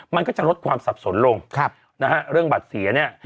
มันก็จะลดความสับสนลงนะฮะเรื่องบัตรเสียเนี่ย